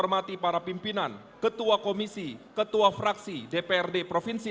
revelasi kebaikan dan waspy seperti ini